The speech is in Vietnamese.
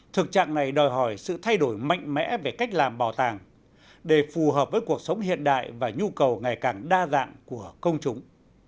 thực trạng này đòi hỏi sự thay đổi mạnh mẽ về cách làm bảo tàng để phù hợp với cuộc sống hiện đại và nhu cầu ngày càng đa dạng của công chúng